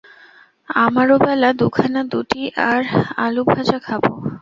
আমারওবেলা দুখানা বুটি আর আলুভাজ খাবো।